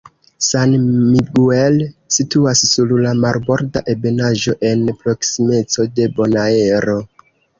San Miguel situas sur la marborda ebenaĵo en proksimeco de Bonaero.